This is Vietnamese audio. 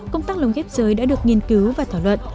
công tác lồng ghép giới đã được nghiên cứu và thảo luận